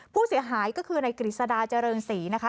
ผู้เสียหายก็คือในกฤษดาเจริญศรีนะคะ